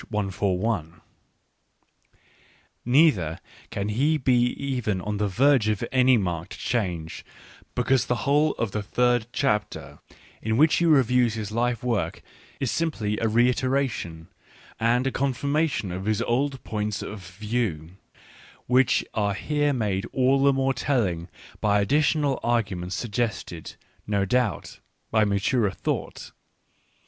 141); neither can he be even on the verge of any marked change, because the whole of the third chapter, in which he reviews his life work, is simply a reiteration and a confirmation of his old points of view, which are here made all the more telling by additional arguments suggested, no doubt, by maturer thought.